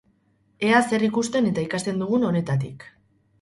Ea zer ikusten eta ikasten dugun honetatik!